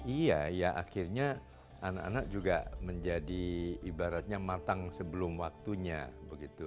iya ya akhirnya anak anak juga menjadi ibaratnya matang sebelum waktunya begitu